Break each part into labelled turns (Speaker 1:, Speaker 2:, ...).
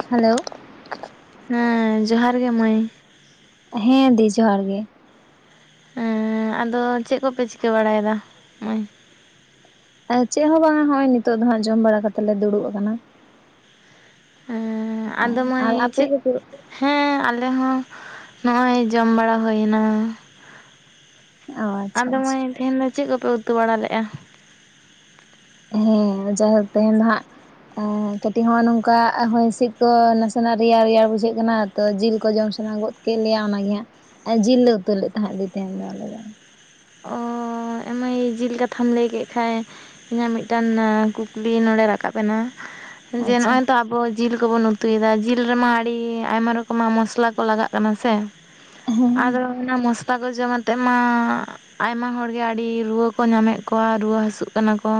Speaker 1: [inaudible] Hello
Speaker 2: ᱦᱮᱸ ᱡᱚᱦᱟᱨ ᱜᱮ ᱢᱟᱹᱭ
Speaker 1: ᱦᱮᱸ ᱫᱤ ᱡᱚᱦᱟᱨ ᱜᱮ
Speaker 2: ᱦᱮᱸ ᱟᱫᱚ ᱪᱮᱫ ᱠᱚᱯᱮ ᱪᱤᱠᱟᱹ ᱵᱟᱲᱟᱭᱮᱫᱟ ᱱᱚᱜᱼᱚᱭ
Speaker 1: ᱟᱨ ᱪᱮᱫ ᱦᱚᱸ ᱵᱟᱝᱟ ᱱᱚᱜ ᱚᱭ ᱱᱤᱛᱚᱜ ᱫᱚ ᱦᱟᱸᱜ ᱡᱚᱢ ᱵᱟᱲᱟ ᱠᱟᱛᱮᱜ ᱞᱮ ᱫᱩᱲᱩᱵ ᱟᱠᱟᱱᱟ᱾
Speaker 2: ᱮ ᱟᱫᱚ ᱢᱟᱭ
Speaker 1: ᱟᱨ ᱟᱯᱮ
Speaker 2: ᱪᱮ- ᱦᱮᱸ ᱟᱞᱮ ᱦᱚᱸ ᱱᱚᱜᱼᱚᱭ ᱡᱚᱢ ᱵᱟᱲᱟ ᱦᱩᱭᱱᱟ᱾
Speaker 1: ᱚ ᱟᱪᱪᱷᱟ
Speaker 2: ᱟᱫᱚ
Speaker 1: ᱟᱪᱪᱷᱟ
Speaker 2: ᱢᱟᱹᱭ ᱛᱮᱦᱮᱧ ᱫᱚ ᱪᱮᱫ ᱠᱚᱯᱮ ᱩᱛᱩ ᱵᱟᱲᱟ ᱞᱮᱜᱼᱟ᱾
Speaker 1: ᱦᱮᱸ ᱡᱟᱭᱦᱳᱠ ᱛᱮᱦᱮᱧ ᱫᱚ ᱦᱟᱸᱜ᱾ ᱠᱟᱹᱴᱤᱡ ᱦᱚᱸ ᱱᱚᱝᱠᱟ ᱦᱚᱭ ᱦᱤᱸᱥᱤᱫ ᱠᱚ ᱱᱟᱥᱮᱱᱟᱜ ᱨᱮᱭᱟᱲ ᱨᱮᱭᱟᱲ ᱵᱩᱡᱷᱟᱹᱜ ᱠᱟᱱᱟ᱾ ᱛᱚ ᱡᱤᱞ ᱠᱚ ᱡᱚᱢ ᱥᱟᱱᱟ ᱜᱚᱫ ᱠᱮᱫ ᱞᱮᱭᱟ ᱚᱱᱟᱜᱮ ᱦᱟᱸᱜ ᱟᱨ ᱡᱤᱞ ᱞᱮ ᱩᱛᱩ ᱞᱮᱫ ᱛᱟᱦᱮᱸᱫ ᱛᱮᱦᱮᱱ ᱫᱚ ᱟᱞᱮ ᱫᱚ
Speaker 2: ᱚ ᱢᱟᱹᱭ ᱡᱤᱞ ᱠᱟᱛᱷᱟᱢ ᱞᱟᱹᱭ ᱠᱮᱫ ᱠᱷᱟᱱ ᱤᱧᱟᱹᱜ ᱢᱤᱫᱴᱟᱱ ᱠᱩᱠᱞᱤ ᱱᱚᱸᱰᱮ ᱨᱟᱠᱟᱵ ᱮᱱᱟ᱾ ᱡᱮ ᱱᱚᱜ
Speaker 1: ᱟᱪᱪᱷᱟ
Speaker 2: ᱚᱭ ᱛᱚ ᱟᱵᱚ ᱡᱤᱞ ᱠᱚᱵᱚᱱ ᱩᱛᱩᱭᱮᱫᱟ ᱡᱤᱞ ᱨᱮᱢᱟ ᱟᱹᱰᱤ ᱟᱭᱢᱟ ᱨᱚᱠᱚᱢᱟᱜ ᱢᱚᱥᱞᱟ ᱠᱚ ᱞᱟᱜᱟᱜ ᱾ ᱠᱟᱱᱟ ᱥᱮ
Speaker 1: ᱦᱮᱸ
Speaker 2: ᱟᱫᱚ ᱚᱱᱟ ᱢᱚᱥ ᱞᱟ ᱚᱱᱟᱠᱚ ᱡᱚᱢ ᱟᱛᱮᱜ ᱢᱟ ᱟᱭᱢᱟ ᱦᱚᱲ ᱜᱮ ᱟᱹᱰᱤ ᱨᱩᱣᱟᱹ ᱠᱚ ᱧᱟᱢᱮᱫ ᱠᱚᱣᱟ ᱨᱩᱣᱟᱹ ᱦᱟᱹᱥᱩᱜ ᱠᱟᱱᱟ ᱠᱚ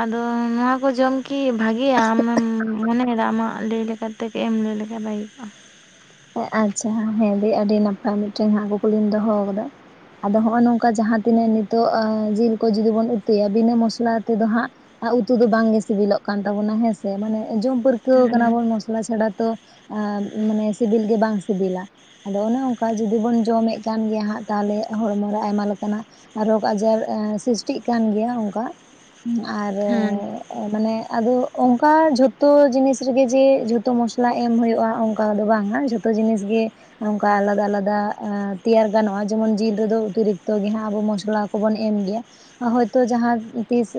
Speaker 2: ᱟᱫᱚ ᱱᱚᱣᱟ ᱠᱚ ᱡᱚᱢ ᱠᱤ ᱵᱷᱟᱜᱮᱭᱟ ᱟᱢᱮᱢ ᱢᱚᱱᱮᱭᱮᱫᱟ ᱟᱢᱟᱜ ᱞᱟᱹᱭ ᱞᱮᱠᱟᱛᱮ ᱠᱟᱹᱡ ᱮᱢ ᱞᱟᱹᱭ ᱞᱮᱠᱷᱟᱡ ᱵᱷᱟᱹᱜᱤᱠᱚᱜ ᱟ᱾
Speaker 1: ᱮᱸ ᱟᱪᱪᱷᱟ ᱦᱮᱸ ᱫᱟᱹᱭ ᱟᱹᱰᱤ ᱱᱟᱯᱟᱭ ᱢᱤᱫᱴᱮᱱ ᱦᱟᱸᱜ ᱠᱩᱠᱞᱤ ᱫᱚᱦᱚ ᱟᱠᱟᱫᱟ᱾ ᱟᱫᱚ ᱦᱚᱸᱜᱼᱚᱭ ᱱᱚᱝᱠᱟ ᱡᱟᱦᱟᱸ ᱛᱤᱱᱟᱹᱜ ᱱᱤᱛᱚᱜ ᱡᱤᱞ ᱠᱚ ᱡᱩᱫᱤ ᱵᱚᱱ ᱩᱛᱩᱭᱟ ᱵᱤᱱᱟᱹ ᱢᱚᱥᱞᱟ ᱛᱮᱫᱚ ᱦᱟᱸᱜ᱾ ᱩᱛᱩ ᱫᱚ ᱵᱟᱝᱜᱮ ᱥᱤᱵᱤᱞᱚᱜ ᱠᱟᱱ ᱛᱟᱵᱚᱱᱟ ᱦᱮᱸᱥᱮ ᱢᱟᱱᱮ ᱡᱚᱢ ᱯᱟᱹᱨ ᱠᱟᱹᱣ ᱟᱠᱟᱱᱟ
Speaker 2: ᱦᱮᱸ
Speaker 1: ᱵᱚᱱ ᱢᱚᱥᱞᱟ ᱪᱷᱟᱲᱟ ᱛᱚ ᱢᱟᱱᱮ ᱥᱤᱵᱤᱞ ᱜᱮ ᱵᱟᱝ ᱥᱤᱵᱤᱞᱟ᱾ ᱟᱫᱚ ᱚᱱᱮ ᱚᱱᱠᱟ ᱡᱩᱫᱤ ᱵᱚᱱ ᱡᱚᱢᱮᱫ ᱠᱟᱱ ᱜᱮᱭᱟ ᱦᱟᱸᱜ ᱛᱟᱦᱚᱞᱮ ᱦᱚᱲᱢᱚᱨᱮ ᱟᱭᱢᱟ ᱞᱮᱠᱟᱱᱟᱜ ᱨᱳᱜᱽ ᱟᱡᱟᱨ ᱥᱨᱤᱥᱴᱤᱜ ᱠᱟᱱ ᱜᱮᱭᱟ ᱚᱱᱠᱟ ᱟᱨ
Speaker 2: ᱦᱮᱸ
Speaker 1: ᱢᱟᱱᱮ ᱟᱫᱚ ᱚᱱᱠᱟ ᱡᱷᱚᱛᱚ ᱡᱤᱱᱤᱥ ᱨᱮᱜᱮ ᱡᱮ ᱡᱷᱚᱛᱚ ᱢᱚᱥᱞᱟ ᱮᱢ ᱦᱩᱭᱩᱜᱼᱟ ᱚᱱᱠᱟ ᱫᱚ ᱵᱟᱝ [unintelligible] ᱡᱷᱚᱛᱚ ᱡᱤᱱᱤᱥ ᱜᱮ ᱱᱚᱝᱠᱟ ᱟᱞᱟᱫᱟ ᱟᱞᱟᱫᱟ ᱛᱮᱭᱟᱨ ᱜᱟᱱᱚᱜᱼᱟ ᱡᱮᱢᱚᱱ ᱡᱤᱞ ᱨᱮᱫᱚ ᱚᱛᱤᱨᱤᱠᱛᱚ ᱜᱮ ᱦᱟᱸᱜ ᱟᱵᱚ ᱢᱚᱥᱞᱟ ᱠᱚᱵᱚᱱ ᱮᱢ ᱜᱮᱭᱟ᱾ ᱦᱚᱭᱛᱳ ᱡᱟᱦᱟᱸ ᱛᱤᱥ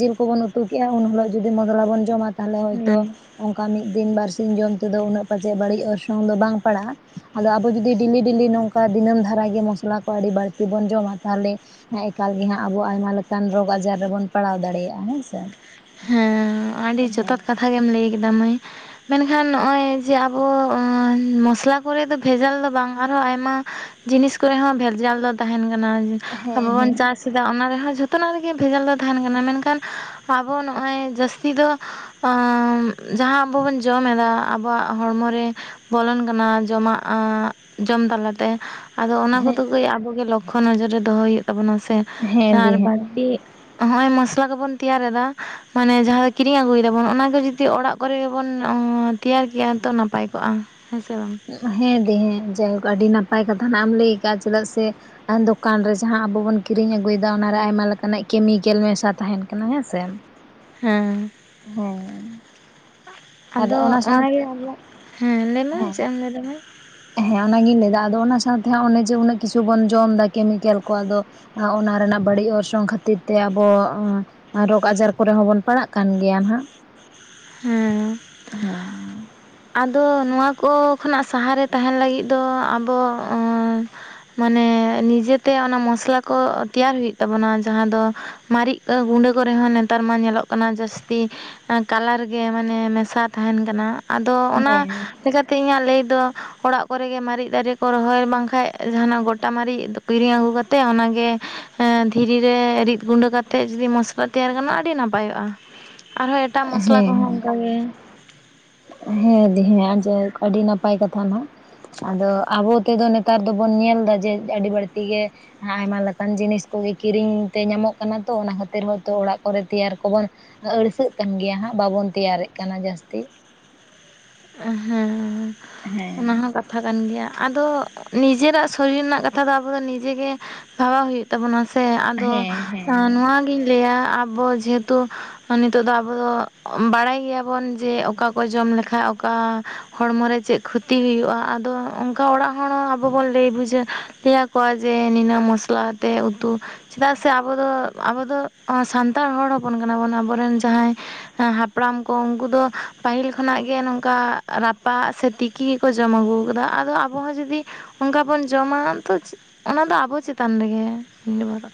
Speaker 1: ᱡᱤᱞ ᱠᱚᱵᱚᱱ ᱩᱛᱩ ᱠᱮᱜ-ᱟ ᱩᱱ ᱦᱤᱞᱳᱜ ᱡᱩᱫᱤ [unintelligible] ᱵᱚᱱ ᱡᱚᱢᱟ᱾ ᱛᱟᱦᱚᱞᱮ ᱦᱳᱭᱛᱚ
Speaker 2: ᱦᱮᱸ
Speaker 1: ᱚᱱᱠᱟ ᱢᱤᱫ ᱫᱤᱱ ᱵᱟᱨ ᱥᱤᱧ ᱡᱚᱢ ᱛᱮᱫᱚ ᱩᱱᱟᱹᱜ ᱯᱟᱪᱮᱫ ᱵᱟᱹᱲᱤᱡ ᱚᱨᱥᱚᱝ ᱚᱝ ᱫᱚ ᱵᱟᱝ ᱯᱟᱲᱟᱜᱼᱟ ᱟᱫᱚ ᱟᱵᱚ ᱡᱩᱫᱤ ᱰᱮᱞᱤ ᱰᱮᱞᱤ ᱱᱚᱝᱠᱟ ᱫᱤᱱᱟᱹᱢ ᱫᱷᱟᱨᱟᱜ ᱜᱮ ᱢᱚᱥᱞᱟ ᱠᱚ ᱟᱹᱰᱤ ᱵᱟᱹᱲᱛᱤ ᱛᱮᱵᱚᱱ ᱡᱚᱢᱟ ᱛᱟᱦᱚᱞᱮ ᱦᱮᱸ ᱮᱠᱟᱞ ᱜᱮ ᱦᱟᱸᱜ ᱟᱵᱚ ᱟᱭᱢᱟ ᱞᱮᱠᱟᱱ ᱨᱳᱜᱽ ᱟᱡᱟᱨ ᱨᱮᱵᱚᱱ ᱯᱟᱲᱟᱣ ᱫᱟᱲᱮᱭᱟᱜᱼᱟ ᱦᱮᱸᱥᱮ
Speaker 2: ᱦᱮᱸ ᱟᱹᱰᱤ ᱡᱚᱛᱷᱟᱛ ᱠᱟᱛᱷᱟ ᱜᱮᱢ ᱞᱟᱹᱭ ᱠᱮᱫᱟ ᱢᱟᱹᱭ ᱢᱮᱱᱠᱷᱟᱱ ᱱᱚᱜᱼᱚᱭ ᱡᱮ ᱟᱵᱚ ᱢᱚᱥᱞᱟ ᱠᱚᱨᱮ ᱫᱚ ᱵᱷᱮᱡᱟᱞ ᱫᱚ ᱵᱟᱝ ᱨᱮᱦᱚ ᱟᱨᱦᱚᱸ ᱟᱭᱢᱟ ᱡᱤᱱᱤᱥ ᱠᱚᱨᱮ ᱦᱚᱸ ᱵᱷᱮᱨᱡᱟᱞ ᱫᱚ ᱛᱟᱦᱮᱱ ᱠᱟᱱᱟ᱾ ᱟᱵᱚ ᱵᱚᱱ ᱪᱟᱥ ᱮᱫᱟ ᱚᱱᱟ ᱨᱮᱦᱚᱸ ᱡᱷᱚᱛᱚᱱᱟᱜ ᱨᱮᱜᱮ ᱵᱷᱮᱡᱟᱞ ᱫᱚ ᱛᱟᱦᱮᱱ ᱠᱟᱱᱟ ᱢᱮᱱᱠᱷᱟᱱ ᱟᱵᱚ ᱱᱚᱜᱼᱚᱭ ᱡᱟᱹᱥᱛᱤ ᱫᱚ ᱮ ᱡᱟᱦᱟᱸ ᱟᱵᱚ ᱵᱚᱱ ᱡᱚᱢ ᱮᱫᱟ ᱟᱵᱚᱣᱟᱜ ᱦᱚᱲᱢᱚᱨᱮ ᱵᱚᱞᱚᱱ ᱠᱟᱱᱟ ᱡᱚᱢᱟᱜ ᱡᱚᱢ ᱛᱟᱞᱟᱛᱮ ᱟᱫᱚ ᱚᱱᱟ ᱠᱚᱫᱚ
Speaker 1: ᱦᱮᱸ
Speaker 2: ᱵᱷᱟᱹᱭ ᱟᱵᱚᱜᱮ ᱞᱚᱠᱠᱷᱚ ᱱᱚᱡᱚᱨ ᱨᱮ ᱫᱚᱦᱚᱭ ᱦᱩᱭᱩᱜ ᱛᱟᱵᱚᱱᱟ ᱥᱮ
Speaker 1: ᱦᱮᱸ ᱫᱤ
Speaker 2: ᱟᱨ
Speaker 1: ᱦᱮᱸ
Speaker 2: ᱵᱟᱹᱲᱛᱤ ᱦᱚᱜ ᱚᱭ ᱢᱚᱥᱞᱟ ᱠᱚᱵᱚᱱ ᱛᱮᱭᱟᱨᱮᱫᱟ᱾ ᱢᱟᱱᱮ ᱡᱟᱦᱟᱸ ᱫᱚ ᱠᱤᱨᱤᱧ ᱟᱹᱜᱩᱭ ᱫᱟᱵᱚᱱ ᱚᱱᱟ ᱜᱮ ᱡᱩᱫᱤ ᱚᱲᱟᱜ ᱠᱚᱨᱮ ᱜᱮ ᱵᱚᱱ ᱛᱮᱭᱟᱨ ᱠᱮᱭᱟ ᱛᱚ ᱱᱟᱯᱟᱭ ᱠᱚᱜᱼᱟ᱾ ᱦᱮᱸ ᱥᱮ ᱵᱟᱝ
Speaker 1: ᱦᱮᱸ ᱫᱤ ᱦᱮᱸ ᱡᱟᱭᱦᱳᱠ ᱟᱹᱰᱤ ᱱᱟᱯᱟᱭ ᱠᱟᱛᱷᱟ ᱦᱟᱸᱜ ᱮᱢ ᱞᱟᱹᱭ ᱟᱠᱟᱟᱜ-ᱟ ᱪᱮᱫᱟᱜ ᱥᱮ ᱫᱚᱠᱟᱱ ᱨᱮ ᱡᱟᱦᱟᱸ ᱟᱵᱚ ᱵᱚᱱ ᱠᱤᱨᱤᱧ ᱟᱹᱜᱩᱭᱮᱫᱟ ᱚᱱᱟᱨᱮ ᱟᱭᱢᱟ ᱞᱮᱠᱟᱱᱟᱜ ᱠᱮᱢᱤᱠᱮᱞ ᱢᱮᱥᱟ ᱛᱟᱦᱮᱱ ᱠᱟᱱᱟ ᱦᱮᱸᱥᱮ
Speaker 2: ᱦᱮᱸ
Speaker 1: ᱟᱨ
Speaker 2: ᱟᱫᱚ
Speaker 1: ᱚᱱᱟ ᱥᱟᱶᱛᱮ
Speaker 2: ᱚᱱᱟᱜᱮ ᱟᱢᱟᱜ ᱦᱮᱸ ᱞᱟᱹᱭᱢᱮ
Speaker 1: ᱦᱮᱸ
Speaker 2: ᱪᱮᱫ ᱮᱢ ᱞᱟᱹᱭᱫᱟᱢᱟ
Speaker 1: ᱦᱮᱸ ᱚᱱᱟᱜᱤᱧ ᱞᱟᱹᱭᱫᱟ ᱟᱫᱚ ᱚᱱᱟ ᱥᱟᱶᱛᱮ ᱚᱱᱮ ᱡᱮ ᱩᱱᱟᱹᱜ ᱠᱤᱪᱷᱩ ᱵᱚᱱ ᱡᱚᱢ ᱮᱫᱟ ᱠᱮᱢᱤᱠᱮᱞ ᱠᱚ ᱟᱫᱚ ᱚᱱᱟ ᱨᱮᱱᱟᱜ ᱵᱟᱹᱲᱤᱡ ᱚᱨᱥᱚᱝ ᱠᱷᱟᱹᱛᱤᱨ ᱛᱮ ᱟᱵᱚ ᱨᱳᱜᱽ ᱟᱡᱟᱨ ᱠᱚᱨᱮ ᱦᱚᱸᱵᱚᱱ ᱯᱟᱲᱟᱜ ᱠᱟᱱ ᱜᱮᱭᱟ ᱱᱟ ᱦᱟᱸᱜ ᱦᱮᱸ
Speaker 2: ᱦᱮᱸ ᱟᱫᱚ ᱱᱚᱣᱟ ᱠᱚ ᱠᱷᱚᱱᱟᱜ ᱥᱟᱦᱟᱨᱮ ᱛᱟᱦᱮᱱ ᱞᱟᱹᱜᱤᱫ ᱫᱚ ᱟᱵᱚ ᱢᱟᱱᱮ ᱱᱤᱡᱮᱛᱮ ᱚᱱᱟ ᱢᱚᱥᱞᱟ ᱠᱚ ᱛᱮᱭᱟᱨ ᱦᱩᱭᱩᱜ ᱛᱟᱵᱚᱱᱟ ᱡᱟᱦᱟᱸ ᱫᱚ ᱢᱟᱨᱤᱪ ᱜᱩᱰᱟᱹ ᱠᱚᱨᱮ ᱦᱚᱸ ᱱᱮᱛᱟᱨ ᱢᱟ ᱧᱮᱞᱚᱜ ᱠᱟᱱᱟ ᱡᱟᱹᱥᱛᱤ ᱠᱟᱞᱟᱨ ᱜᱮ ᱢᱟᱱᱮ ᱢᱮᱥᱟ ᱛᱟᱦᱮᱱ ᱠᱟᱱᱟ ᱟᱫᱚ ᱚᱱᱟ
Speaker 1: ᱦᱮᱸ
Speaker 2: ᱪᱤᱠᱟᱹᱛᱮ ᱤᱧᱟᱹᱜ ᱞᱟᱹᱭ ᱫᱚ ᱚᱲᱟᱜ ᱠᱚᱨᱮ ᱜᱮ ᱢᱟᱨᱤᱡ ᱫᱟᱨᱮ ᱠᱚ ᱨᱚᱦᱚᱭ ᱵᱟᱝᱠᱷᱟᱱ ᱡᱟᱦᱟᱸᱱᱟᱜ ᱜᱚᱴᱟ ᱢᱟᱨᱤᱡ ᱠᱤᱨᱤᱧ ᱟᱹᱜᱩ ᱠᱟᱛᱮᱜ ᱚᱱᱟᱜᱮ ᱫᱷᱤᱨᱤ ᱨᱮ ᱨᱤᱫ ᱜᱩᱸᱰᱟᱹ ᱠᱟᱛᱮ ᱡᱩᱫᱤ ᱢᱚᱥ ᱛᱮᱭᱟᱨ ᱜᱟᱱᱚᱜ-ᱟ ᱟᱹᱰᱤ ᱱᱟᱯᱟᱭᱚᱜ-ᱟ ᱟᱨᱦᱚᱸ ᱮᱴᱟᱜ ᱢᱚᱥᱞᱟ
Speaker 1: ᱦᱮᱸ
Speaker 2: ᱠᱚᱦᱚᱸ ᱚᱱᱠᱟᱜᱮ
Speaker 1: ᱦᱮᱸ ᱫᱤ ᱦᱮᱸ ᱡᱟᱭᱦᱳᱠ ᱟᱹᱰᱤ ᱱᱟᱯᱟᱭ ᱠᱟᱛᱷᱟ ᱦᱟᱸᱜ᱾ ᱟᱫᱚ ᱟᱵᱚ ᱛᱮᱫᱚ ᱱᱮᱛᱟᱨ ᱫᱚᱵᱚᱱ ᱧᱮᱞ ᱮᱫᱟ ᱡᱮ ᱟᱹᱰᱤ ᱵᱟᱹᱲᱛᱤ ᱜᱮ ᱟᱭᱢᱟ ᱞᱮᱠᱟᱱ ᱡᱤᱱᱤᱥ ᱠᱚᱜᱮ ᱠᱤᱨᱤᱧ ᱛᱮ ᱧᱟᱢᱚᱜ ᱠᱟᱱᱟ ᱛᱚ ᱚᱱᱟ ᱠᱷᱟᱹᱛᱤᱨ ᱦᱚᱭᱛᱚ ᱚᱲᱟᱜ ᱠᱚᱨᱮ ᱜᱮ ᱛᱮᱭᱟᱨ ᱠᱚᱵᱚᱱ ᱟᱹᱲᱤᱥᱟᱹᱜ ᱠᱟᱱ ᱜᱮᱭᱟ ᱦᱟᱸᱜ ᱵᱟᱵᱚᱱ ᱛᱮᱭᱟᱨᱮᱜ ᱠᱟᱱᱟ ᱡᱟᱹᱥᱛᱤ
Speaker 2: ᱦᱮᱸ ᱚᱱᱟ ᱦᱚᱸ
Speaker 1: ᱦᱮᱸ
Speaker 2: ᱠᱟ ᱠᱟᱛᱷᱟ ᱠᱟᱱ ᱜᱮᱭᱟ ᱟᱫᱚ ᱱᱤᱡᱮᱨᱟᱜ ᱥᱚᱨᱤᱨ ᱨᱮᱱᱟᱜ ᱠᱟᱛᱷᱟ ᱫᱚ ᱟᱵᱚ ᱫᱚ ᱱᱤᱡᱮ ᱜᱮ [unintelligible] ᱦᱩᱭᱩᱜ ᱛᱟᱵᱚᱱᱟ᱾ ᱛᱟᱵᱚᱱᱟ ᱥᱮ ᱟᱫᱚ
Speaker 1: ᱦᱮᱸ ᱦᱮᱸ
Speaker 2: ᱱᱚᱣᱟᱜᱤᱧ ᱞᱟᱹᱭᱟ ᱟᱵᱚ ᱡᱮᱦᱮᱛᱩ ᱱᱤᱛᱚᱜ ᱫᱚ ᱟᱵᱚ ᱫᱚ ᱵᱟᱲᱟᱭ ᱜᱮᱭᱟᱵᱚᱱ ᱡᱮ ᱚᱠᱟ ᱠᱚ ᱡᱚᱢ ᱞᱮᱠᱷᱟᱱ ᱚᱠᱟ ᱦᱚᱲᱢᱚᱨᱮ ᱪᱮᱫ ᱠᱷᱚᱛᱤ ᱦᱩᱭᱩᱜᱼᱟ ᱟᱫᱚ ᱚᱱᱠᱟ ᱚᱲᱟᱜ ᱦᱚᱲ ᱟᱵᱚ ᱵᱚᱱ ᱞᱟᱹᱭ ᱵᱩᱡᱷᱟᱹᱣ ᱟᱠᱚᱣᱟ ᱡᱮ ᱱᱤᱱᱟᱹᱜ ᱢᱚᱥᱞᱟᱛᱮ ᱩᱛᱩ ᱪᱮᱫᱟᱜ ᱥᱮ ᱟᱵᱚ ᱫᱚ ᱟᱵᱚ ᱫᱚ ᱥᱟᱱᱛᱟᱲ ᱦᱚᱲ ᱦᱚᱯᱚᱱ ᱠᱟᱱᱟ ᱵᱚᱱ ᱟᱵᱚ ᱨᱮᱱ ᱡᱟᱦᱟᱸᱭ ᱦᱮᱸ [unintelligible] ᱦᱟᱯᱲᱟᱢ ᱠᱚ ᱩᱱᱠᱩ ᱫᱚ ᱯᱟᱹᱦᱤᱞ ᱠᱷᱚᱱᱟᱜ ᱜᱮ ᱚᱱᱠᱟ ᱨᱟᱯᱟᱜ ᱥᱮ ᱛᱤᱠᱤ ᱜᱮᱠᱚ ᱡᱚᱢ ᱟᱹᱜᱩ ᱟᱠᱟᱫᱟ ᱟᱫᱚ ᱟᱵᱚ ᱦᱚᱸ ᱡᱩᱫᱤ ᱚᱱᱠᱟ ᱵᱚᱱ ᱡᱚᱢᱟ ᱛᱚ ᱚᱱᱟᱫᱚ ᱟᱵᱚ ᱪᱮᱛᱟᱱ ᱱᱤᱨᱵᱷᱚᱨᱚᱜᱼᱟ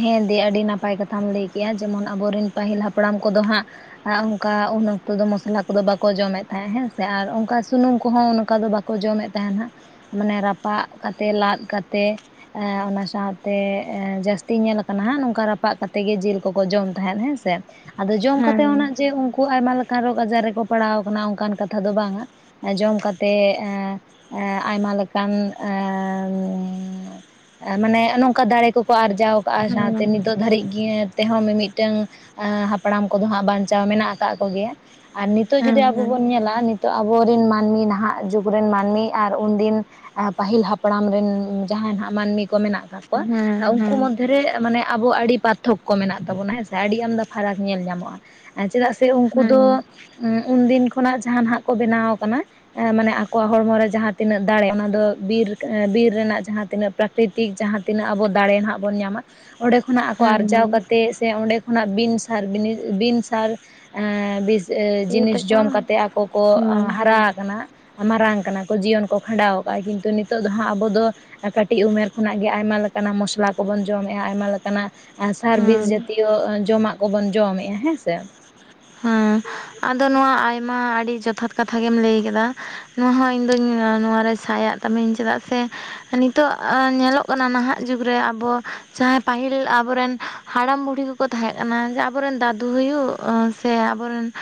Speaker 1: ᱦᱮᱸ ᱫᱤ ᱟᱹᱰᱤ ᱱᱟᱯᱟᱭ ᱠᱟᱛᱷᱟᱢ ᱞᱟᱹᱭᱠᱮᱜᱼᱟ ᱡᱮᱢᱚᱱ ᱟᱵᱚᱨᱮᱱ ᱯᱟᱹᱦᱤᱞ ᱦᱟᱯᱲᱟᱢ ᱠᱚᱫᱚ ᱦᱟᱸᱜ᱾ ᱟᱨ ᱚᱱᱠᱟ ᱩᱱ ᱚᱠᱛᱚ ᱫᱚ ᱢᱚᱥᱞᱟ ᱠᱚᱫᱚ ᱵᱟᱠᱚ ᱡᱚᱢᱮᱫ ᱛᱟᱦᱮᱸᱜ ᱦᱮᱸᱥᱮ ᱟᱨ ᱚᱱᱠᱟ ᱥᱩᱱᱩᱢ ᱠᱚᱦᱚᱸ ᱚᱱᱠᱟ ᱫᱚ ᱵᱟ ᱠᱚ ᱡᱚᱢᱮᱫ ᱛᱟᱦᱮᱱ ᱦᱟᱸᱜ ᱢᱟᱱᱮ ᱨᱟᱯᱟᱜ ᱠᱟᱛᱮᱜ ᱞᱟᱫ ᱠᱟᱛᱮᱜ ᱚᱱᱟ ᱥᱟᱶᱛᱮ ᱡᱟᱹᱥᱛᱤ ᱛᱤ ᱧᱮᱞ ᱟᱠᱟᱱᱟ ᱦᱟᱸᱜ ᱱᱚᱝᱠᱟ ᱨᱟᱯᱟᱜ ᱠᱟᱛᱮ ᱜᱮ ᱡᱤᱞ ᱠᱚᱠᱚ ᱡᱚᱢ ᱛᱟᱦᱮᱸᱫ ᱦᱮᱸ ᱥᱮ ᱟᱫᱚ ᱡᱚᱢ ᱠᱟᱛᱮᱫ
Speaker 2: ᱦᱮᱸ
Speaker 1: ᱡᱮ ᱩᱱᱠᱩ ᱟᱭᱢᱟ ᱞᱮᱠᱟᱱ ᱨᱳᱜᱽ ᱟᱡᱟᱨ ᱨᱮᱠᱚ ᱯᱟᱲᱟᱣ ᱠᱟᱱᱟ ᱚᱱᱠᱟᱱ ᱠᱟᱛᱷᱟ ᱫᱚ ᱵᱟᱝᱟ ᱡᱚᱢ ᱠᱟᱛᱮᱜ ᱮ ᱟᱭᱢᱟ ᱞᱮᱠᱟᱱ ᱮ ᱢᱟᱱᱮ ᱱᱚᱝᱠᱟ ᱫᱟᱲᱮ ᱠᱚᱠᱚ ᱟᱨᱡᱟᱣ ᱠᱟᱜᱼᱟ ᱥᱟᱶᱛᱮ
Speaker 2: ᱦᱮᱸ
Speaker 1: ᱱᱤᱛᱳ ᱫᱷᱟᱹᱨᱤᱡ ᱜᱮ ᱛᱮᱦᱚᱸ ᱢᱤᱢᱤᱫᱴᱟᱝ ᱦᱟᱯᱲᱟᱢ ᱠᱚᱫᱚ ᱦᱟᱸᱜ ᱵᱟᱧᱪᱟᱣ ᱢᱮᱱᱟᱜ ᱠᱟᱜ ᱠᱚᱜᱮᱭᱟ᱾ ᱟᱨ ᱱᱤᱛᱚᱜ ᱡᱩᱫᱤ
Speaker 2: ᱦᱮᱸ
Speaker 1: ᱟᱵᱚ
Speaker 2: ᱦᱮᱸ
Speaker 1: ᱵᱚᱱ ᱧᱮᱞᱟ ᱱᱤᱛᱚᱜ ᱟᱵᱚᱨᱮᱱ ᱢᱟᱹᱱᱢᱤ ᱱᱟᱦᱟᱸᱜ ᱡᱩᱜᱽ ᱨᱮᱱ ᱢᱟᱹᱱᱢᱤ ᱟᱨ ᱩᱱᱫᱤᱱ ᱯᱟᱹᱦᱤᱞ ᱦᱟᱯᱲᱟᱢ ᱨᱮᱱ ᱡᱟᱦᱟᱸᱭ ᱱᱟᱦᱟᱸᱜ ᱢᱟᱹᱱᱢᱤ ᱠᱚ ᱢᱮᱱᱟᱜ ᱟᱠᱟᱫ ᱠᱚᱣᱟ
Speaker 2: ᱦᱮᱸ
Speaker 1: ᱩᱱᱠᱩ
Speaker 2: ᱦᱮᱸ
Speaker 1: ᱢᱚᱫᱽᱫᱷᱮ ᱨᱮ ᱢᱟᱱᱮ ᱟᱵᱚ ᱟᱹᱰᱤ ᱯᱟᱨᱛᱷᱚᱠᱠᱚ ᱢᱮᱱᱟᱜ ᱛᱟᱵᱚᱱᱟ ᱦᱮᱸᱥᱮ ᱟᱹᱰᱤ ᱟᱢᱫᱟ ᱯᱷᱟᱨᱟᱠ ᱧᱮᱞ ᱧᱟᱢᱚᱜᱼᱟ ᱪᱮᱫᱟᱜ ᱥᱮ ᱩᱱᱠᱩ
Speaker 2: ᱦᱮᱸ
Speaker 1: ᱫᱚ
Speaker 2: ᱦᱮᱸ
Speaker 1: ᱩᱱᱫᱤᱱ ᱠᱷᱚᱱᱟᱜ ᱡᱟᱦᱟᱸᱱᱟᱦᱟᱸᱜ ᱠᱚ ᱵᱮᱱᱟᱣ ᱟᱠᱟᱱᱟ᱾ ᱢᱟᱱᱮ ᱟᱠᱚᱣᱟᱜ ᱦᱚᱲᱢᱚ ᱨᱮ ᱡᱟᱦᱟᱸ ᱛᱤᱱᱟᱹᱜ ᱫᱟᱲᱮ ᱚᱱᱟ ᱫᱚ ᱵᱤᱨ ᱵᱤᱨ ᱨᱮᱱᱟᱜ ᱡᱟᱦᱟᱸᱛᱤᱱᱟᱹᱜ ᱯᱨᱟᱠᱨᱤᱛᱤᱠ ᱡᱟᱦᱟᱸ ᱛᱤᱱᱟᱹᱜ ᱟᱵᱚ ᱫᱟᱲᱮ ᱱᱟᱜ ᱵᱚᱱ ᱧᱟᱢᱟ ᱚᱸᱰᱮ ᱠᱷᱚᱱᱟᱜ ᱟᱠᱚ
Speaker 2: ᱦᱮᱸ
Speaker 1: ᱟᱨᱡᱟᱣ
Speaker 2: ᱦᱮᱸ
Speaker 1: ᱠᱟᱛᱮ ᱥᱮ ᱚᱸᱰᱮ ᱠᱷᱚᱱᱟᱜ ᱵᱤᱱ ᱥᱟᱨ ᱵᱤᱱᱤ ᱵᱤᱱ ᱥᱟᱨ ᱮ ᱵᱤᱥ
Speaker 2: ᱤᱭᱟᱹ
Speaker 1: ᱡᱤᱱᱤᱥ
Speaker 2: ᱛᱟᱠᱚ
Speaker 1: ᱡᱚᱢ ᱠᱟᱛᱮ ᱟᱠᱚ ᱠᱚ
Speaker 2: ᱦᱮᱸ
Speaker 1: ᱦᱟᱨᱟ ᱟᱠᱟᱱᱟ᱾ ᱢᱟᱨᱟᱝ ᱟᱠᱟᱱᱟ ᱠᱚ ᱡᱤᱭᱚᱱ ᱠᱚ ᱠᱷᱟᱸᱰᱟᱣ ᱟᱠᱟᱜᱼᱟ ᱠᱤᱱᱛᱩ ᱱᱤᱛᱚᱜ ᱫᱚ ᱦᱟᱸᱜ ᱟᱵᱚ ᱫᱚ ᱠᱟᱹᱴᱤᱡ ᱩᱢᱮᱨ ᱠᱷᱚᱱᱟᱜ ᱜᱮ ᱟᱭᱢᱟ ᱞᱮᱠᱟᱱᱟᱜ ᱢᱚᱥᱞᱟ ᱠᱚᱵᱚᱱ ᱡᱚᱢᱮᱫᱼᱟ ᱟᱭᱢᱟ ᱞᱮᱠᱟᱱᱟᱜ ᱥᱟᱨᱵᱤᱥ
Speaker 2: ᱦᱮᱸ
Speaker 1: ᱡᱟᱛᱤᱭᱚ ᱡᱚᱢᱟᱜ ᱠᱚᱵᱚᱱ ᱡᱚᱢᱮᱜᱼᱟ ᱦᱮᱸ ᱥᱮ
Speaker 2: ᱦᱮᱸ ᱟᱫᱚ ᱱᱚᱣᱟ ᱟᱭᱢᱟ ᱟᱹᱰᱤ ᱡᱚᱛᱷᱟᱛ ᱠᱟᱛᱷᱟ ᱜᱮᱢ ᱞᱟᱹᱭ ᱟᱠᱟᱫᱟ᱾ ᱱᱚᱣᱟ ᱦᱚᱸ ᱤᱧ ᱫᱚᱧ ᱱᱚᱣᱟ ᱨᱮ ᱥᱟᱭᱟᱜ ᱛᱟᱢᱤᱹᱧ ᱪᱮᱫᱟᱜ ᱥᱮ ᱱᱤᱛᱚᱜ ᱧᱮᱞᱚᱜ ᱠᱟᱱᱟ ᱱᱟᱦᱟᱸᱜ ᱡᱩᱜᱽ ᱨᱮ ᱟᱵᱚ ᱡᱟᱦᱟᱸᱭ ᱯᱟᱹᱦᱤᱞ ᱟᱵᱚᱨᱮᱱ ᱦᱟᱲᱟᱢ ᱵᱩᱲᱦᱤ ᱠᱚ ᱛᱟᱦᱮᱸ ᱠᱟᱱᱟ ᱡᱮ ᱟᱵᱚᱨᱮᱱ ᱫᱟᱫᱩ ᱦᱩᱭᱩᱜ ᱥᱮ ᱟᱵᱚᱨᱮᱱ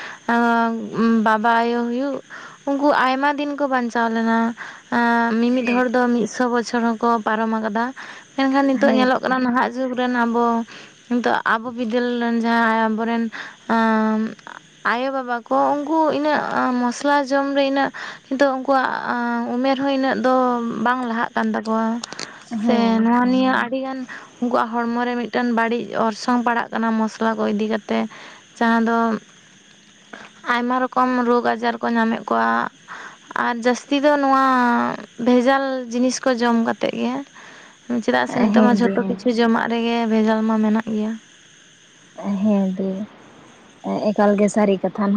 Speaker 2: ᱵᱟᱵᱟ ᱟᱭᱳ ᱦᱩᱭᱩᱜ ᱩᱱᱠᱩ ᱟᱭᱢᱟ ᱫᱤᱱ ᱠᱚ ᱵᱟᱧᱪᱟᱣ ᱞᱮᱱᱟ ᱮ ᱢᱤᱢᱤᱫ ᱦᱚᱲ ᱫᱚ ᱢᱤᱫᱥᱚ ᱵᱚᱪᱷᱚᱨ ᱦᱚᱸᱠᱚ ᱯᱟᱨᱚᱢ ᱟᱠᱟᱫᱟ ᱢᱮᱱᱠᱷᱟᱱ ᱱᱤᱛᱚᱜ ᱧᱮᱞᱚᱜ ᱠᱟᱱᱟ ᱱᱟᱦᱟᱸᱜ ᱡᱩᱜᱽ ᱨᱮᱱ ᱟᱵᱚ ᱱᱤᱛᱚᱜ ᱟᱵᱚ ᱵᱤᱫᱟᱹᱞ ᱨᱮᱱ ᱡᱟᱦᱟᱸ ᱟᱵᱚᱨᱮᱱ ᱟᱭᱳᱵᱟᱵᱟ ᱠᱚ ᱩᱱᱠᱩ ᱤᱱᱟᱹᱜ ᱢᱚᱥᱞᱟ ᱡᱚᱢ ᱨᱮ ᱤᱱᱟᱹᱜ ᱟᱠᱚᱣᱟᱜ ᱩᱢᱮᱨ ᱦᱚᱸ ᱤᱱᱟᱹᱜ ᱫᱚ ᱵᱟᱝ ᱞᱟᱦᱟᱜ ᱠᱟᱱ ᱛᱟᱠᱚᱣᱟ᱾ ᱥᱮ
Speaker 1: ᱦᱮᱸ
Speaker 2: ᱱᱚᱣᱟ ᱱᱤᱭᱟᱹ ᱟᱹᱰᱤᱜᱟᱱ ᱩᱱᱠᱩᱣᱟᱜ ᱦᱚᱲᱢᱚ ᱨᱮ ᱢᱤᱫᱴᱮᱱ ᱵᱟᱹᱲᱤᱡ ᱚᱨᱥᱚᱝ ᱯᱟᱲᱟᱜ ᱠᱟᱱᱟ ᱢᱚᱥᱞᱟ ᱠᱚ ᱤᱫᱤ ᱠᱟᱛᱮᱫ ᱡᱟᱦᱟᱸ ᱫᱚ ᱟᱭᱢᱟ ᱨᱚᱠᱚᱢ ᱨᱳᱜᱽ ᱟᱡᱟᱨ ᱠᱚ ᱧᱟᱢᱮᱫ ᱠᱚᱣᱟ᱾ ᱟᱨ ᱡᱟᱹᱥᱛᱤ ᱫᱚ ᱱᱚᱣᱟ ᱵᱷᱮᱡᱟᱞ ᱡᱤᱱᱤᱥ ᱠᱚ ᱡᱚᱢ ᱠᱟᱛᱮᱫ ᱜᱮ ᱪᱮᱫᱟᱜ ᱥᱮ
Speaker 1: ᱦᱮᱸ
Speaker 2: ᱱᱤᱛᱚᱜ ᱢᱟ
Speaker 1: ᱦᱮᱸ ᱫᱤ
Speaker 2: ᱡᱷᱚᱛᱚ ᱠᱤᱪᱷᱩ
Speaker 1: ᱦᱮᱸ
Speaker 2: ᱡᱚᱢᱟᱜ ᱨᱮᱜᱮ ᱵᱷᱮᱡᱟᱞ ᱢᱟ ᱢᱮᱱᱟᱜ ᱜᱮᱭᱟ᱾
Speaker 1: ᱦᱮᱸᱫᱤ ᱮᱠᱟᱞᱜᱮ ᱥᱟᱹᱨᱤ ᱠᱟᱛᱷᱟ ᱦᱟᱸᱜ